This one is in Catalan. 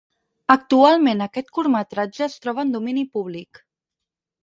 Actualment aquest curtmetratge es troba en Domini públic.